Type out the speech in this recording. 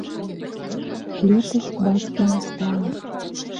Летась бацькі не стала.